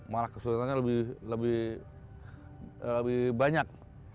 malah kesulitannya lebih banyak